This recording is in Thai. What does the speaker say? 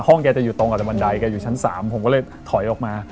แกจะอยู่ตรงกับบันไดแกอยู่ชั้น๓ผมก็เลยถอยออกมา